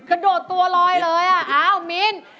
กระโดดตัวลอยเลยอ่ะอ้าวมิน